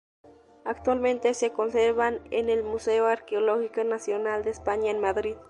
Actualmente se conservan en el Museo Arqueológico Nacional de España en Madrid.